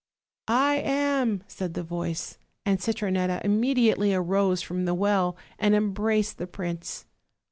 "I am," said the voice; and Citronetta immediately arose from the well and embraced the prince.